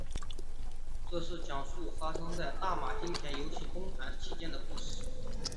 这是讲述发生在大马金钱游戏崩盘期间的故事。